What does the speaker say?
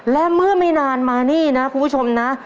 และเมื่อไม่นานมานี่นะคุณผู้ชมนะ